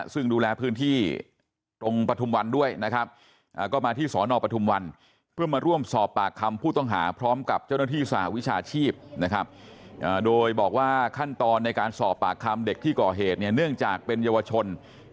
ซึ่งดูแลพื้นที่ตรงปฐุมวันด้วยนะครับก็มาที่สหน